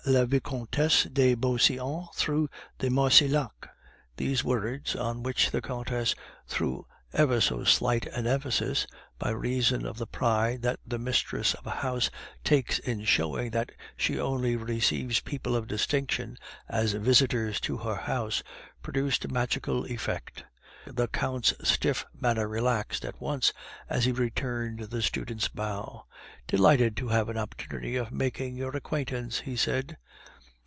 la Vicomtesse de Beauseant through the Marcillacs!_ These words, on which the countess threw ever so slight an emphasis, by reason of the pride that the mistress of a house takes in showing that she only receives people of distinction as visitors in her house, produced a magical effect. The Count's stiff manner relaxed at once as he returned the student's bow. "Delighted to have an opportunity of making your acquaintance," he said.